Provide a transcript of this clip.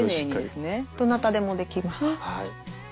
どなたでもできます。